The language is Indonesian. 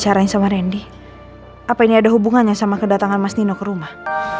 apa ini ada hubungannya sama kedatangan mas nino ke rumah